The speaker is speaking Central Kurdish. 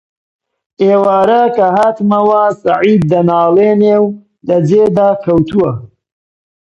ئێوارە کە هاتمەوە سەعید دەناڵێنێ و لە جێدا کەوتووە: